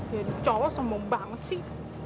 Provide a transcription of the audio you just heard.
jadi cowok sembong banget sih